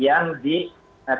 dan juga di indonesia